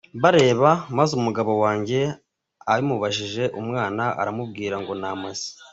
bareba, maze umugabo wange abimubajije umwana aramubwira ngo namaze.